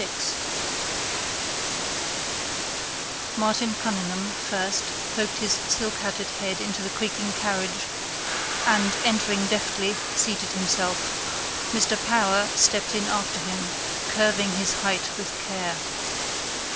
6 ] Martin Cunningham, first, poked his silkhatted head into the creaking carriage and, entering deftly, seated himself. Mr Power stepped in after him, curving his height with care.